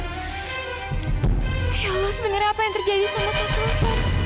ya allah sebenarnya apa yang terjadi sama kata tuhan